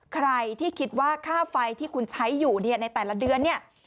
ใครที่คิดว่าค่าไฟที่คุณใช้อยู่เนี่ยในแต่ละเดือนเนี่ย